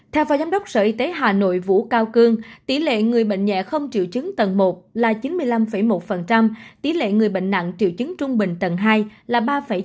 theo phó giám đốc sở y tế hà nội vũ cao cương tỷ lệ người bệnh nhẹ không triệu chứng tầng một là chín mươi năm một tỷ lệ người bệnh nặng triệu chứng trung bình tầng hai là ba chín